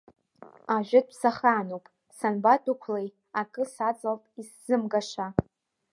Ажәытә сахаануп, санбадәықәлеи, акы саҵалт исзымгаша.